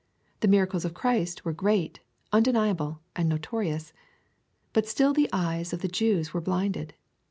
The miracles of Christ were great, undeniable, and notorious. But still the eyes of the Jews were blinded.